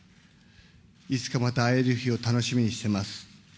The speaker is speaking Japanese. いつかまた会える日を楽しみにしてます。